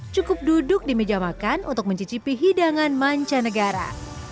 cukup duduk di meja makan untuk mencicipi hidangan mancanegara